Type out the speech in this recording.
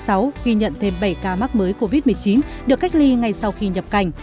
ghi nhận thêm bảy ca mắc mới covid một mươi chín được cách ly ngay sau khi nhập cảnh